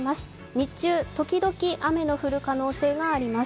日中、時々雨の降る可能性があります。